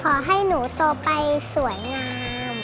ขอให้หนูสวนสวยกว่นนวล